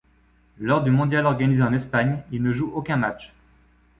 Lors du mondial organisé en Espagne, il ne joue aucun match.